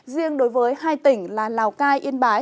riêng đối với hai tỉnh là lào cai yên bái